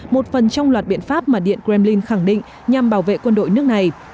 một phần trong loạt biện pháp mà điện kremlin khẳng định nhằm bảo vệ quân đội nước này